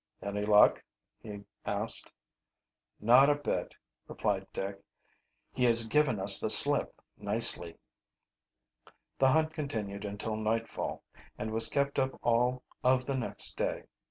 "Any luck?" he asked. "Not a bit," replied Dick. "He has given us the slip nicely." The hunt continued until nightfall, and was kept up all of the next day.